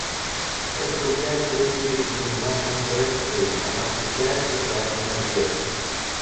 Эта другая часть видоизменена интроекцией, она включает утраченный объект.